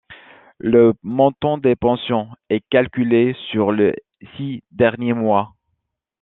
Le montant des pensions est calculée sur les six derniers mois.